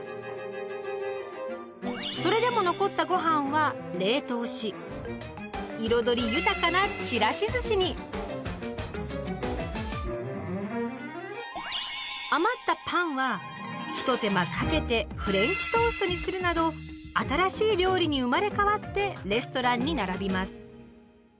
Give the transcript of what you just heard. それでも残ったごはんは冷凍し彩り豊かなひと手間かけてフレンチトーストにするなど新しい料理に生まれ変わってレストランに並びます。